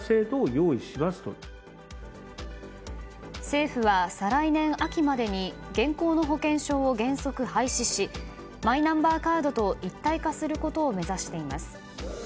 政府は再来年秋までに現行の保険証を原則廃止しマイナンバーカードと一体化することを目指しています。